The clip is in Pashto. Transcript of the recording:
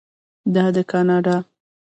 دا دی کاناډا.